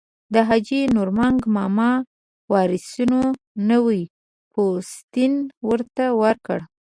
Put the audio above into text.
د حاجي نورنګ ماما وارثینو نوی پوستین ورته ورکړ.